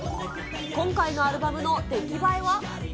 今回のアルバムの出来栄えは？